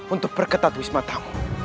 untuk perketat wismatamu